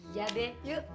iya deh yuk